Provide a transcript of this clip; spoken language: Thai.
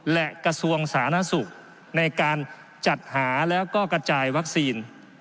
และกระทรวงสาธารณสุขในการจัดหาแล้วก็กระจายวัคซีน